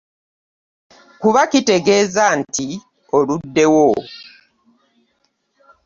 Kuba kitegeeza nti oluddewo.